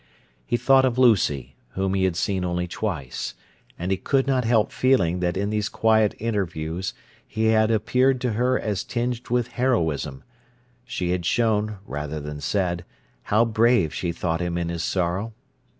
He thought of Lucy, whom he had seen only twice, and he could not help feeling that in these quiet interviews he had appeared to her as tinged with heroism—she had shown, rather than said, how brave she thought him in his sorrow.